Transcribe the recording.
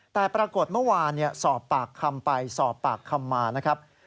แต่ปรากฏเมื่อวานสอบปากคำไปสอบปากคำมานะครับ